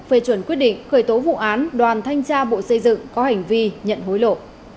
phê chuẩn quyết định khởi tố vụ án đoàn thanh tra bộ xây dựng có hành vi nhận hối lộ